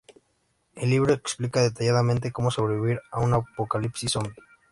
El libro explica detalladamente cómo sobrevivir a un apocalipsis zombie.